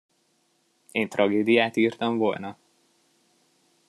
Én tragédiát írtam volna?